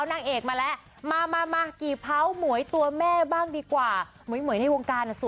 นี่จากกี่เภานางเอกมาแล้ว